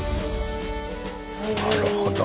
なるほど。